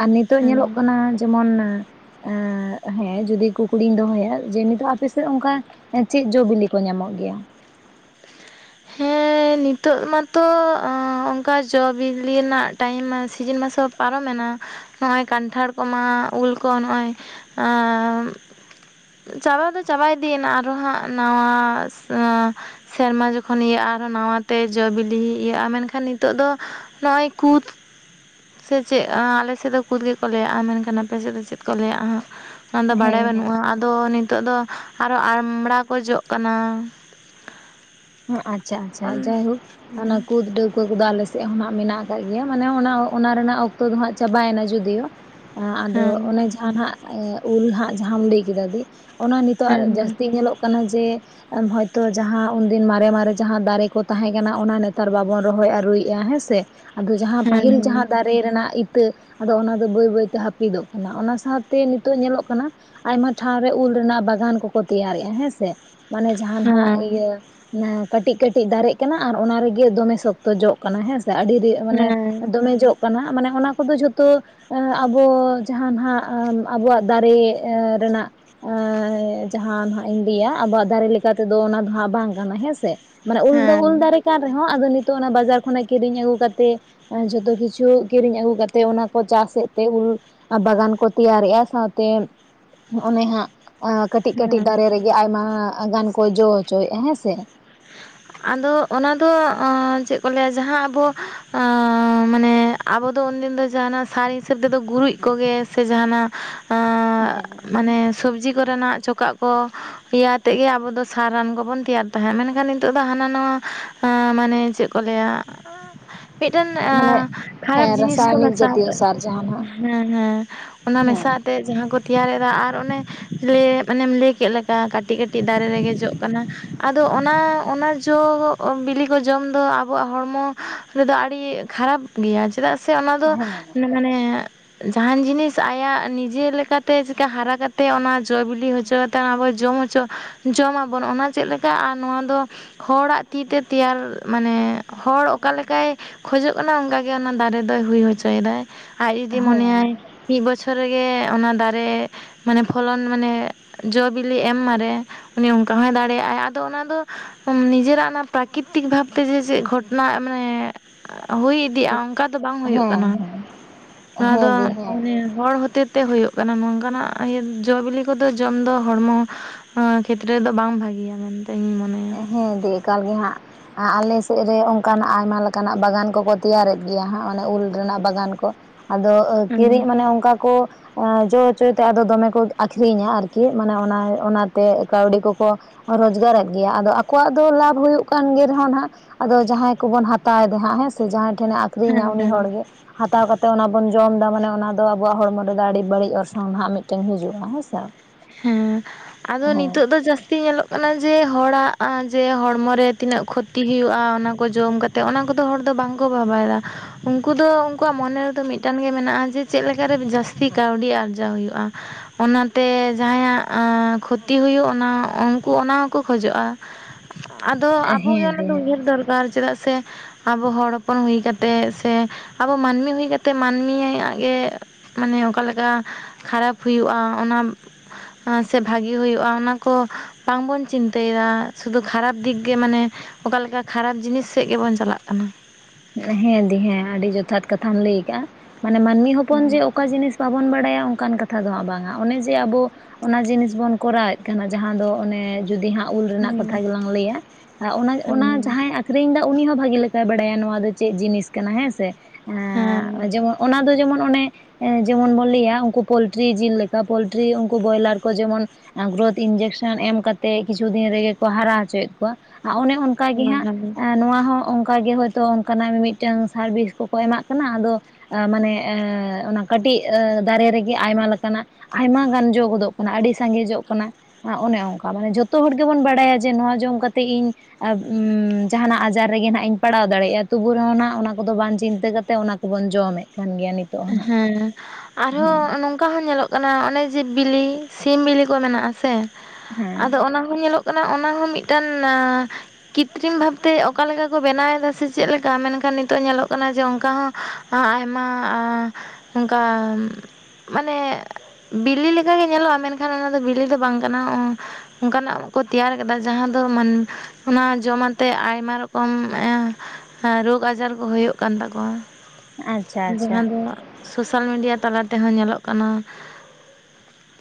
Speaker 1: ᱟᱨ ᱱᱤᱛᱚᱜ ᱧᱮᱞᱚᱜ
Speaker 2: ᱦᱮᱸ
Speaker 1: ᱠᱟᱱᱟ ᱡᱮᱢᱚᱱ ᱮᱸ ᱦᱮᱸ ᱡᱩᱫᱤ ᱠᱩᱠᱞᱤᱧ ᱫᱚᱦᱚᱭᱟ ᱡᱮ ᱱᱤᱛᱚᱜ ᱟᱯᱮᱥᱮᱫ ᱚᱱᱠᱟ ᱪᱮᱫ ᱡᱚ ᱵᱤᱞᱤ ᱠᱚ ᱧᱟᱢᱚᱜ ᱜᱮᱭᱟ?
Speaker 2: ᱦᱮᱸ ᱱᱤᱛᱚᱜ ᱢᱟᱛᱚ ᱚᱱᱠᱟ ᱡᱚ ᱵᱤᱞᱤ ᱨᱮᱱᱟᱜ ᱴᱟᱭᱤᱢ ᱥᱤᱡᱤᱱ ᱢᱟᱥᱚ ᱯᱟᱨᱚᱢᱮᱱᱟ᱾ ᱱᱚᱜᱼᱚᱸᱭ ᱠᱟᱱᱴᱷᱟᱲ ᱠᱚᱢᱟ ᱩᱞ ᱠᱚ ᱱᱚᱜᱼᱚᱭ ᱟᱸᱻ ᱪᱟᱵᱟ ᱫᱚ ᱪᱟᱵᱟ ᱤᱫᱤᱭᱮᱱᱟ ᱟᱨᱚ ᱦᱟᱸᱜ ᱱᱟᱣᱟ ᱥᱮᱨᱢᱟ ᱡᱚ -ᱠᱷᱚᱱ ᱤᱭᱟᱹᱜᱼᱟ ᱟᱨᱚ ᱱᱟᱣᱟᱛᱮ ᱡᱚ ᱵᱤᱞᱤ ᱤᱭᱟᱹᱜᱼᱟ ᱢᱮᱱᱠᱷᱟᱱ ᱱᱤᱛᱚᱜ ᱫᱚ ᱱᱚᱜᱼᱚᱭ ᱠᱩᱫᱽ ᱥᱮ ᱪᱮᱫ ᱟᱻ ᱟᱞᱮ ᱥᱮᱫ ᱫᱚ ᱠᱩᱫᱽ ᱜᱮᱠᱚ ᱞᱟᱹᱭᱟᱜᱼᱟ ᱢᱮᱱᱠᱷᱟᱱ ᱟᱯᱮ ᱥᱮᱫ ᱫᱚ ᱪᱮᱫ ᱠᱚ ᱞᱟᱹᱭᱟᱜᱼᱟ᱾ ᱚᱱᱟᱫᱚ ᱵᱟᱲᱟᱭ
Speaker 1: ᱦᱮᱸ
Speaker 2: ᱵᱟᱹᱱᱩᱜᱼᱟ ᱟᱫᱚ ᱱᱤᱛᱚᱜ ᱫᱚ ᱟᱨᱚ ᱟᱲᱢᱲᱟ ᱠᱚ ᱡᱚᱜ ᱠᱟᱱᱟ᱾
Speaker 1: ᱦᱮᱸ ᱟᱪᱪᱷᱟ ᱟᱪᱪᱷᱟ
Speaker 2: ᱦᱮᱸ
Speaker 1: ᱡᱟᱭᱦᱳᱠ
Speaker 2: ᱦᱮᱸ
Speaker 1: ᱚᱱᱟ ᱠᱩᱫᱽ ᱰᱟᱹᱣᱠ [unintelligible] ᱠᱚᱫᱚ ᱟᱞᱮ ᱥᱮᱫ ᱦᱚᱸ ᱢᱮᱱᱟᱜ ᱟᱠᱟᱫ ᱜᱮᱭᱟ ᱢᱟᱱᱮ ᱚᱱᱟ ᱚᱱᱟ ᱨᱮᱱᱟᱜ ᱚᱠᱛᱚ ᱫᱚ ᱦᱟᱸᱜ ᱪᱟᱵᱟᱭᱮᱱᱟ ᱡᱚᱫᱤᱭᱳ ᱟ ᱟᱫᱚ ᱚᱱᱮ ᱡᱟᱦᱟᱸᱱᱟᱜ ᱩᱞ ᱦᱟᱸᱜ ᱡᱟᱦᱟᱢ ᱞᱟᱹᱭ ᱠᱮᱫᱟ ᱫᱤ ᱚᱱᱟ ᱱᱤᱛᱚᱜ
Speaker 2: ᱦᱮᱸ
Speaker 1: ᱡᱟᱹᱥᱛᱤ ᱧᱮᱞᱚᱜ ᱠᱟᱱᱟ ᱡᱮ ᱦᱚᱭᱛᱚ ᱡᱟᱦᱟᱸ ᱫᱤᱱ ᱢᱟᱨᱮ ᱢᱟᱨᱮ ᱡᱟᱦᱟᱸ ᱫᱟᱨᱮ ᱠᱚ ᱛᱟᱦᱮᱸ ᱠᱟᱱᱟ ᱚᱱᱟ ᱱᱮᱛᱟᱨ ᱵᱟᱵᱚᱱ ᱨᱚᱦᱚᱭ ᱟᱹᱨᱩᱭᱮᱫᱼᱟ ᱦᱮᱸ ᱥᱮ ᱟᱫᱚ ᱡᱟᱦᱟᱸ ᱯᱟᱹᱦᱤᱞ ᱡᱟᱦᱟᱸ
Speaker 2: ᱦᱮᱸ
Speaker 1: ᱫᱟᱨ ᱨᱮ ᱨᱮᱱᱟᱜ ᱤᱛᱟᱹ ᱟᱫᱚ ᱚᱱᱟ ᱫᱚ ᱵᱟᱹᱭ ᱵᱟᱹᱭᱛᱮ ᱦᱟᱹᱯᱤᱫᱚᱜ ᱠᱟᱱᱟ ᱚᱱᱟ ᱥᱟᱶᱛᱮ ᱱᱤᱛᱚᱜ ᱧᱮᱞᱚᱜ ᱠᱟᱱᱟ, ᱟᱭᱢᱟ ᱴᱷᱟᱶ ᱨᱮ ᱩᱞ ᱨᱮᱱᱟᱜ ᱵᱟᱜᱟᱱ ᱠᱚᱠᱚ ᱛᱮᱭᱟᱨᱮᱜᱼᱟ ᱦᱮᱸᱥᱮ, ᱢᱟᱱᱮ ᱡᱟᱦᱟᱸᱱᱟᱜ
Speaker 2: ᱦᱮᱸ
Speaker 1: ᱤᱭᱟᱹ ᱠᱟᱹᱴᱤᱡ- ᱠᱟᱹᱴᱤᱡ ᱫᱟᱨᱮᱜ ᱠᱟᱱᱟ ᱟᱨ ᱚᱱᱟ ᱨᱮᱜᱮ ᱫᱚᱢᱮ ᱥᱚᱠ ᱛᱚ ᱡᱚᱜ ᱠᱟᱱᱟ ᱦᱮᱸᱥᱮ ᱟᱹᱰᱤ ᱢᱟᱱᱮ
Speaker 2: ᱦᱮᱸ
Speaker 1: ᱫᱚᱢᱮ ᱡᱚᱜ ᱠᱟᱱᱟ ᱢᱟᱱᱮ ᱚᱱᱟ ᱠᱚᱫᱚ ᱡᱷᱚᱛᱚ ᱮ ᱟᱵᱚ ᱡᱟᱦᱟᱸᱱᱟᱦᱟᱸᱜ ᱟᱵᱚᱣᱟᱜ ᱫᱟᱨᱮ ᱨᱮᱱᱟᱜ ᱮᱸᱻ ᱡᱟᱦᱟᱸ ᱱᱟᱦᱟᱸᱜ ᱤᱧ ᱞᱟᱹᱭᱟ ᱟᱵᱚᱣᱟᱜ ᱫᱟᱨᱮ ᱞᱮᱠᱟ ᱛᱮᱫᱚ ᱚᱱᱟ ᱫᱚ ᱦᱟᱸᱜ ᱵᱟᱝ ᱠᱟᱱᱟ ᱦᱮᱸᱥᱮ ᱢᱟᱱᱮ ᱩᱞ ᱫᱚ
Speaker 2: ᱦᱮᱸ
Speaker 1: ᱩᱞ ᱫᱟᱨᱮ ᱠᱟᱱ ᱨᱮᱦᱚᱸ ᱟᱫᱚ ᱱᱤᱛᱚᱜ ᱚᱱᱟ ᱵᱟᱡᱟᱨ ᱠᱷᱚᱱᱟᱜ ᱠᱤᱨᱤᱧ ᱟᱹᱜᱩ ᱠᱟᱛᱮᱫ ᱡᱚᱛᱚ ᱠᱤᱪᱷᱩ ᱠᱤᱨᱤᱧ ᱟᱹᱜᱩ ᱠᱟᱛᱮᱜ ᱚᱱᱟ ᱠᱚ ᱪᱟᱥ ᱮᱫ ᱛᱮ ᱩᱞ ᱵᱟᱜᱟᱱ ᱠᱚ ᱛᱮᱭᱟᱨᱮᱜᱼᱟ ᱥᱟᱶᱛᱮ ᱚᱱᱮ ᱦᱟᱸᱜ ᱟᱠ ᱠᱟᱹᱴᱤᱡ ᱠᱟᱹᱴᱤᱡ
Speaker 2: ᱦᱮᱸ
Speaker 1: ᱫᱟᱨᱮ ᱨᱮᱜᱮ ᱟᱭᱢᱟ ᱜᱟᱱ ᱠᱚ ᱡᱚ ᱦᱚᱪᱚᱭᱮᱜᱼᱟ ᱦᱮᱸ ᱥᱮ
Speaker 2: ᱟᱫᱚ ᱚᱱᱟ ᱫᱚ ᱪᱮᱫ ᱠᱚ ᱞᱟᱹᱭᱟ ᱡᱟᱦᱟᱸ ᱟᱵᱚ ᱮ ᱢᱟᱱᱮ ᱟᱵᱚ ᱫᱚ ᱩᱱᱫᱤᱱ ᱫᱚ ᱡᱟᱦᱟᱸᱱᱟᱜ ᱥᱟᱨ ᱦᱤᱥᱟᱹᱵ ᱛᱮᱫᱚ ᱜᱩᱨᱤᱡ ᱠᱚᱜᱮ ᱥᱮ ᱡᱟᱦᱟᱸᱱᱟᱜ ᱮᱸᱻ
Speaker 1: ᱦᱮᱸ
Speaker 2: ᱢᱟᱱᱮ ᱥᱚᱵᱽᱡᱤ ᱠᱚᱨᱮᱱᱟᱜ ᱪᱚᱠᱟᱜ ᱠᱚ ᱤᱭᱟᱹ ᱟᱛᱮᱫ ᱜᱮ ᱟᱵᱚ ᱫᱚ ᱥᱟᱨ ᱨᱟᱱ ᱠᱚᱵᱚᱱ ᱛᱮᱭᱟᱨ ᱛᱟᱦᱮᱸᱫ ᱢᱮᱱ ᱮᱱᱠᱷᱟᱱ ᱱᱤᱛᱚᱜ ᱫᱚ ᱦᱟᱱᱟ ᱱᱚᱣᱟ ᱢᱟᱱᱮ ᱪᱮᱫ ᱠᱚ ᱞᱟᱹᱭᱟ ᱢᱤᱫᱴᱮᱱ
Speaker 1: ᱢᱟᱱᱮ
Speaker 2: ᱠᱷᱟᱨᱟᱯ
Speaker 1: ᱦᱮᱸ
Speaker 2: ᱡᱤᱱᱤᱥ ᱠᱟᱱᱟ
Speaker 1: ᱨᱟᱥᱟᱭᱚᱱᱤᱠ
Speaker 2: ᱥᱟᱨ ᱫᱚ
Speaker 1: ᱡᱟᱛᱤᱭᱚ ᱡᱟᱦᱟᱸ ᱱᱟᱜ
Speaker 2: ᱦᱮᱸ ᱦᱮᱸ ᱚᱱᱟ ᱢᱮᱥᱟ ᱟᱛᱮᱫ ᱡᱟᱦᱟᱸ ᱠᱚ ᱛᱮᱭᱟᱨᱮᱫᱟ ᱟᱨ ᱚᱱᱮ ᱞᱮᱻ ᱢᱟᱱᱮᱢ ᱞᱟᱹᱭ ᱠᱮᱫ ᱞᱮᱠᱟ ᱠᱟᱹᱴᱤᱡ ᱠᱟᱹᱴᱤᱡ ᱫᱟᱨᱮ ᱨᱮᱜᱮ ᱡᱚᱜ ᱠᱟᱱᱟ ᱟᱫᱚ ᱚᱱᱟ ᱚᱱᱟ ᱡᱚ ᱵᱤᱞᱤ ᱠᱚ ᱡᱚᱢ ᱫᱚ ᱟᱵᱚᱣᱟᱜ ᱦᱚᱲᱢᱚ ᱨᱮᱫᱚ ᱟᱹᱰᱤ ᱠᱷᱟᱨᱟᱯ ᱜᱮᱭᱟ ᱪᱮᱫᱟᱜ ᱥᱮ ᱚᱱᱟᱫᱚ
Speaker 1: ᱦᱮᱸ
Speaker 2: ᱢᱟᱱᱮ ᱡᱟᱦᱟᱱ ᱡᱤᱱᱤᱥ ᱟᱭᱟᱜ ᱱᱤᱡᱮ ᱞᱮᱠᱟᱛᱮ ᱪᱮᱠᱟ ᱦᱟᱨᱟ ᱠᱟᱛᱮᱫ ᱚᱱᱟ ᱡᱚ ᱵᱤᱞᱤ ᱦᱚᱪᱚ [unintelligible] ᱟᱵᱚ ᱡᱚᱢ ᱦᱚᱪᱚ ᱡᱚᱢ ᱟᱵᱚᱱ ᱚᱱᱟ ᱪᱮᱫ ᱞᱮᱠᱟ ᱟᱨ ᱱᱚᱣᱟ ᱫᱚ ᱦᱚᱲᱟᱜ ᱛᱤᱛᱮ ᱛᱮᱭᱟᱨ ᱢᱟᱱᱮ ᱦᱚᱲ ᱚᱠᱟ ᱞᱮᱠᱟᱭ ᱠᱷᱚᱡᱚᱜ ᱠᱟᱱᱟ ᱚᱱᱠᱟᱜᱮ ᱚᱱᱟ ᱫᱟᱨᱮ ᱫᱚᱭ ᱦᱩᱭ ᱦᱚᱪᱚᱭᱮᱫᱟᱭ ᱟᱡ ᱡᱩᱫᱤ
Speaker 1: ᱦᱮᱸ
Speaker 2: ᱢᱚᱱᱮᱭᱟᱭ ᱢᱤᱫ ᱵᱚᱪᱷᱚᱨ ᱨᱮᱜᱮ ᱚᱱᱟ ᱫᱟᱨᱮ ᱢᱟᱱᱮ ᱯᱷᱚᱞᱚᱱ ᱢᱟᱱᱮ ᱡᱚᱼᱵᱤᱞᱤ ᱮᱢ ᱢᱟᱨᱮ ᱩᱱᱤ ᱚᱱᱠᱟ ᱦᱚᱸᱭ ᱫᱟᱲᱮᱭᱟᱜᱼᱟᱭ ᱟᱨ ᱟᱫᱚ ᱚᱱᱟ ᱫᱚ ᱱᱤᱡᱮᱨᱟᱜ ᱚᱱᱟ ᱯᱨᱟᱠᱤᱨᱤᱛᱤᱠ ᱵᱷᱟᱵᱽ ᱛᱮ ᱪᱮᱫ ᱜᱷᱚᱴᱚᱱᱟ ᱢᱟᱱᱮ ᱦᱩᱭ ᱤᱫᱤᱜᱼᱟ
Speaker 1: ᱦᱮᱸ
Speaker 2: ᱚᱱᱠᱟ ᱫᱚ ᱵᱟᱝ ᱦᱩᱭᱩᱜ
Speaker 1: ᱦᱮᱸ
Speaker 2: ᱠᱟᱱᱟ
Speaker 1: ᱦᱮᱸ
Speaker 2: ᱱᱚᱣᱟ
Speaker 1: ᱦᱮᱸ
Speaker 2: ᱫᱚ
Speaker 1: ᱫᱤ ᱦᱮᱸ
Speaker 2: ᱢᱟᱱᱮ ᱦᱚᱲ ᱦᱚᱛᱮ ᱛᱮ ᱦᱩᱭᱩᱜ ᱠᱟᱱᱟ ᱱᱚᱝᱠᱟ ᱱᱟᱜ ᱤᱭᱟᱹ ᱡᱚᱵᱤᱞᱤ ᱠᱚᱫᱚ ᱡᱚᱢ ᱫᱚ ᱦᱚᱲᱢᱚ ᱠᱷᱮᱛᱨᱮ ᱨᱮ ᱫᱚ ᱵᱟᱝ ᱵᱷᱟᱹᱜᱮᱭᱟ ᱢᱟᱱᱮ
Speaker 1: ᱦᱮᱸ ᱫᱤ ᱮᱠᱟᱞ ᱜᱮ ᱦᱟᱸᱜ ᱟᱞᱮ ᱥᱮᱫ ᱨᱮ ᱚᱱᱠᱟᱱᱟᱜ ᱟᱭᱢᱟ ᱞᱮᱠᱟᱱᱟᱜ ᱵᱟᱜᱟᱱ ᱠᱚᱠᱚ ᱛᱮᱭᱟᱨᱮᱫ ᱜᱮᱭᱟ ᱦᱟᱸᱜ ᱚᱱᱮ ᱩᱞ ᱨᱮᱱᱟᱜ ᱵᱟᱜᱟᱱ ᱠᱚ ᱟᱫᱚ ᱠᱤᱨᱤᱡ
Speaker 2: ᱦᱩᱸ
Speaker 1: ᱢᱟᱱᱮ ᱚᱱᱠᱟ ᱠᱚ ᱟ ᱡᱚ ᱪᱚᱭ ᱛᱮ ᱟᱫᱚ ᱫᱚᱢᱮ ᱠᱚ ᱟᱹᱠᱷᱨᱤᱧᱟ ᱟᱨᱠᱤ ᱢᱟᱱᱮ ᱚᱱᱟ ᱚᱱᱟᱛᱮ ᱠᱟᱹᱣᱰᱤ ᱠᱚᱠᱚ ᱨᱳᱡᱽᱜᱟᱨᱮᱫ ᱜᱮᱭᱟ ᱟᱫᱚ ᱟᱠᱚᱣᱟᱜ ᱫᱚ ᱞᱟᱵᱷ ᱦᱩᱭᱩᱜ ᱠᱟᱱ ᱜᱮ ᱨᱮᱦᱚᱸ ᱱᱟᱱᱟᱜ ᱟᱫᱚ ᱡᱟᱦᱟᱸᱭ ᱠᱚᱵᱚᱱ ᱦᱟᱛᱟᱣᱮᱫᱟ ᱦᱟᱸᱜ ᱦᱮᱸ ᱥᱮ ᱡᱟᱦᱟᱸᱭ ᱴᱷᱮᱱᱮ ᱟᱠᱷᱨᱤᱧᱟ
Speaker 2: ᱦᱮᱸ
Speaker 1: ᱩᱱᱤ
Speaker 2: ᱦᱮᱸ
Speaker 1: ᱦᱚᱲᱜᱮ ᱦᱟᱛᱟᱣ ᱠᱟᱛᱮᱫ ᱚᱱᱟ ᱵᱚᱱ ᱡᱚᱢᱫᱟ ᱢᱟᱱᱮ ᱚᱱᱟ ᱫᱚ ᱟᱵᱚᱣᱟᱜ ᱦᱚᱲᱢᱚ ᱨᱮᱫᱚ ᱟᱹᱰᱤ ᱵᱟᱹᱲᱤᱡ ᱚᱨᱥᱚᱝ ᱱᱟᱦᱟᱜ ᱢᱤᱫᱴᱮᱱ ᱦᱤᱡᱩᱜᱼᱟ ᱦᱮᱸᱥᱮ
Speaker 2: ᱦᱮᱸ ᱟᱫᱚ ᱱᱤᱛᱚᱜ ᱫᱚ
Speaker 1: ᱦᱮᱸ
Speaker 2: ᱡᱟᱹᱥᱛᱤ ᱧᱮᱞᱚᱜ ᱠᱟᱱᱟ ᱡᱮ ᱦᱚᱲᱟᱜ ᱡᱮ ᱦᱚᱲᱢᱚᱨ ᱨᱮ ᱛᱤᱱᱟᱹᱜ ᱠᱷᱚᱛᱤ ᱦᱩᱭᱩᱜᱼᱟ ᱚᱱᱟ ᱠᱚ ᱡᱚᱢ ᱠᱟᱛ ᱛᱚ ᱚᱱᱟ ᱠᱚᱫᱚ ᱦᱚᱲ ᱫᱚ ᱵᱟᱝᱠᱚ ᱵᱷᱟᱵᱟᱭᱮᱫᱟ᱾ ᱩᱝᱠᱩ ᱫᱚ ᱩᱝᱠᱩᱣᱟᱜ ᱢᱚᱱᱮ ᱨᱮᱫᱚ ᱢᱤᱫᱴᱟᱱ ᱜᱮ ᱢᱮᱱᱟᱜᱼᱟ ᱡᱮ ᱪᱮᱫ ᱞᱮᱠᱟᱨᱮ ᱡᱟᱹᱥᱛᱤ ᱠᱟᱹᱣᱰᱤ ᱟᱨᱡᱟᱣ ᱦᱩᱭᱩᱜᱼᱟ᱾ ᱚᱱᱟᱛᱮ ᱡᱟᱦᱟᱸᱭᱟᱜ ᱮᱸᱻ ᱠᱷᱚᱛᱤ ᱦᱩᱭᱩᱜ ᱚᱱᱟ ᱩᱱᱠᱩ ᱚᱱᱟ ᱦᱚᱸᱠᱚ ᱠᱷᱚᱡᱚᱜᱼᱟ ᱟᱫᱚ ᱟᱵᱚᱜᱮ
Speaker 1: ᱦᱮᱸ
Speaker 2: ᱚᱱᱟ
Speaker 1: ᱫᱤ
Speaker 2: ᱫᱚ
Speaker 1: ᱦᱮᱸ
Speaker 2: ᱩᱭᱦᱟᱹᱨ ᱫᱚᱨᱠᱟᱨ ᱪᱮᱫᱟᱜ ᱥᱮ ᱟᱵᱚ ᱦᱚᱲ ᱦᱚᱯᱚᱱ ᱦᱩᱭ ᱠᱟᱛᱮ ᱥᱮ ᱟᱵᱚ ᱢᱟᱹᱱᱢᱤ ᱦᱩᱭ ᱠᱟᱛᱮ ᱢᱟᱹᱱᱢᱤᱭᱟᱜ ᱜᱮ ᱢᱟᱱᱮ ᱚᱠᱟᱞᱮᱠᱟ ᱠᱷᱟᱨᱟᱯ ᱦᱩᱭᱩᱜᱼᱟ ᱚᱱᱟ ᱥᱮ ᱵᱷᱟᱜᱤ ᱦᱩᱭᱩᱜᱼᱟ ᱚᱱᱟ ᱠᱚ ᱵᱟᱝᱵᱚᱱ ᱪᱤᱱᱛᱟᱹᱭᱮᱫᱟ ᱥᱩᱫᱷᱩ ᱠᱷᱟᱨᱟᱯ ᱫᱤᱠ ᱜᱮ ᱢᱟᱱᱮ ᱚᱠᱟᱞᱮᱠᱟ ᱠᱷᱟᱨᱟᱯ ᱡᱤᱱᱤᱥ ᱥᱮᱡ ᱜᱮᱵᱚᱱ ᱪᱟᱞᱟᱜ ᱠᱟᱱᱟ᱾
Speaker 1: ᱦᱮᱸ ᱫᱤ ᱦᱮᱸ ᱟᱹᱰᱤ ᱡᱚᱛᱷᱟᱛ ᱠᱟᱛᱷᱟᱢ ᱞᱟᱹᱭ ᱟᱠᱟᱜᱼᱟ᱾ ᱢᱟᱱᱮ ᱢᱟᱹᱱᱢᱤ ᱦᱚᱯᱚᱱ ᱡᱮ ᱚᱠᱟ ᱡᱤᱱᱤᱥ ᱵᱟᱵᱚᱱ ᱵᱟᱲᱟᱭᱟ ᱚᱝᱠᱟᱱ ᱠᱟᱛᱷᱟ ᱫᱚ ᱦᱟᱸᱜ ᱵᱟᱝᱟ ᱚᱱᱮ ᱡᱮ ᱟᱵᱚ ᱚᱱᱟ ᱡᱤᱱᱤᱥ ᱵᱚᱱ ᱠᱚᱨᱟᱣᱮᱫ ᱠᱟᱱᱟ ᱡᱟᱦᱟᱸ ᱫᱚ ᱚᱱᱮ ᱡᱩᱫᱤ ᱦᱟᱸᱜ ᱩᱞ ᱨᱮᱱᱟᱜ ᱠᱟᱛᱷᱟ
Speaker 2: ᱦᱮᱸ
Speaker 1: ᱜᱮᱞᱟᱝ ᱞᱟᱹᱭᱟ, ᱚᱱᱟ ᱡᱟᱦᱟᱸᱭ ᱟᱠᱷᱨᱤᱧ ᱮᱫᱟ ᱩᱱᱤ ᱦᱚᱸ ᱵᱷᱟᱜᱤ ᱞᱮᱠᱟᱭ ᱵᱟᱲᱟᱭᱟ ᱱᱚᱣᱟ ᱫᱚ ᱪᱮᱫ ᱡᱤᱱᱤᱥ ᱠᱟᱱᱟ ᱦᱮᱸᱥᱮ?
Speaker 2: ᱦᱮᱸ
Speaker 1: ᱮᱹᱻ ᱡᱮᱢᱚᱱ ᱚᱱᱟ ᱫᱚ ᱡᱮᱢᱚᱱ ᱚᱱᱮ ᱡᱮᱢᱚᱱ ᱵᱚᱱ ᱞᱟᱹᱭᱟ ᱩᱝᱠᱩ ᱯᱳᱞᱴᱨᱤ ᱡᱤᱞ ᱞᱮᱠᱟ, ᱯᱳᱞᱴᱨᱤ ᱩᱝᱠᱩ ᱵᱚᱭᱞᱟᱨ ᱠᱚ ᱡᱮᱢᱚᱱ ᱜᱨᱳᱛᱷ ᱤᱧᱡᱮᱠᱥᱮᱱ ᱮᱢ ᱠᱟᱛᱮ ᱠᱤᱪᱷᱩ ᱫᱤᱱ ᱨᱮᱜᱮ ᱠᱚ ᱦᱟᱨᱟ ᱦᱚᱪᱚᱭᱮᱫ ᱠᱚᱣᱟ ᱟᱻ ᱚᱱᱮ ᱚᱱ ᱚᱝᱠᱟ ᱜᱮ ᱦᱟᱸᱜ,
Speaker 2: ᱦᱮᱸ
Speaker 1: ᱮᱸ ᱱᱚᱣᱟ ᱦᱚᱸ ᱚᱝᱠᱟ ᱜᱮ ᱦᱚᱭᱛᱳ ᱚᱝᱠᱟᱱᱟᱜ ᱢᱤᱼᱢᱤᱫᱴᱟᱝ ᱥᱟᱨᱵᱷᱤᱥ ᱠᱚᱠᱚ ᱮᱢᱟᱜ ᱠᱟᱱᱟ᱾ ᱟᱫᱚ ᱢᱟᱱᱮ ᱮᱸᱻ ᱚᱱᱟ ᱠᱟᱹᱴᱤᱡ ᱫᱟᱨᱮ ᱨᱮᱜᱮ ᱟᱭᱢᱟ ᱞᱮᱠᱟᱱᱟᱜ ᱟᱭᱢᱟ ᱜᱟᱱ ᱡᱚ ᱜᱚᱫᱚᱜ ᱠᱟᱱᱟ, ᱟᱹᱰᱤ ᱥᱟᱸᱜᱮ ᱡᱚᱜ ᱠᱟᱱᱟ᱾ ᱚᱱᱮ ᱚᱝᱠᱟ ᱢᱟᱱᱮ ᱡᱷᱚᱛᱚ ᱦᱚᱲ ᱜᱮᱵᱚᱱ ᱵᱟᱲᱟᱭᱟ ᱡᱮ ᱱᱚᱣᱟ ᱡᱚᱢ ᱠᱟᱛᱮ ᱤᱧ ᱟ ᱡᱟᱸᱦᱟᱱᱟᱜ ᱟᱡᱟᱨ ᱨᱮᱜᱮ ᱦᱟᱸᱜ ᱤᱧ ᱯᱟᱲᱟᱣ ᱫᱟᱲᱮᱭᱟᱜᱼᱟ᱾ ᱛᱚᱵᱩ ᱨᱮᱦᱚᱸ ᱱᱟᱦᱟᱜ ᱚᱱᱟ ᱠᱚᱫᱚ ᱵᱟᱝ ᱪᱤᱱᱛᱟᱹ ᱠᱟᱛᱮ ᱚᱱᱟ ᱠᱚᱵᱚᱱ ᱡᱚᱢᱮᱫ ᱠᱟᱱ ᱜᱮᱭᱟ ᱱᱤᱛ
Speaker 2: ᱦᱮᱸ ᱟᱨᱦᱚᱸ ᱱᱚᱝ ᱱᱚᱝᱠᱟ ᱦᱚᱸ ᱧᱮᱞᱚᱜ ᱠᱟᱱᱟ ᱚᱱᱮ ᱡᱮ ᱵᱤᱞᱤ, ᱥᱤᱢ ᱵᱤᱞᱤ ᱠᱚ ᱢᱮᱱᱟᱜᱼᱟ ᱥᱮ,
Speaker 1: ᱦᱮᱸ
Speaker 2: ᱟᱫᱚ ᱚᱱᱟ ᱦᱚᱸ ᱧᱮᱞᱚᱜ ᱠᱟᱱᱟ ᱚᱱᱟ ᱦᱚᱸ ᱢᱤᱫᱴᱟᱱ ᱟᱸᱻ ᱠᱤᱛᱨᱤᱢ ᱵᱷᱟᱵᱛᱮ ᱚᱠᱟᱞᱮᱠᱟ ᱠᱚ ᱵᱮᱱᱟᱣᱮᱫᱟ, ᱥᱮ ᱪᱮᱫᱞᱮᱠᱟ ᱢᱮᱱᱠᱷᱟᱱ ᱱᱤᱛᱚᱜ ᱧᱮᱞᱚᱜ ᱠᱟᱱᱟ ᱡᱮ ᱚᱱᱠᱟ ᱦᱚᱸ ᱟᱭᱢᱟ ᱚᱱᱠᱟ ᱢᱟᱱᱮ ᱵᱤᱞᱤ ᱞᱮᱠᱟᱜᱮ ᱧᱮᱞᱚᱜᱼᱟ ᱾ ᱢᱮᱱᱠᱷᱟᱱ ᱚᱱᱟ ᱫᱚ ᱵᱤᱞᱤ ᱫᱚ ᱵᱟᱝ ᱠᱟᱱᱟ᱾ ᱚᱱᱠᱟᱱᱟᱜ ᱠᱚ ᱛᱮᱭᱟᱨ ᱠᱮᱫᱟ ᱡᱟᱦᱟᱸ ᱫᱚ ᱢᱟᱱ ᱚᱱᱟ ᱡᱚᱢᱟᱛᱮ ᱟᱭᱢᱟ ᱨᱚᱠᱚᱢ ᱮᱸᱻ ᱨᱳᱜᱽ ᱟᱡᱟᱨ ᱠᱚ ᱦᱩᱭᱩᱜ ᱠᱟᱱ ᱛᱟᱠᱚᱣᱟ᱾
Speaker 1: [unintelligible]
Speaker 2: ᱡᱟᱦᱟᱸ ᱫᱚ ᱥᱳᱥᱟᱞ ᱢᱤᱰᱤᱭᱟ ᱛᱟᱞᱟ ᱛᱮᱦᱚᱸ ᱧᱮᱞᱚᱜ ᱠᱟᱱᱟ᱾